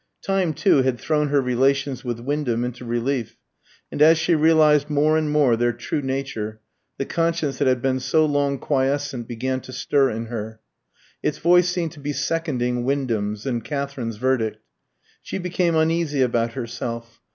Time, too, had thrown her relations with Wyndham into relief; and as she realised more and more their true nature, the conscience that had been so long quiescent began to stir in her. Its voice seemed to be seconding Wyndham's and Katherine's verdict. She became uneasy about herself.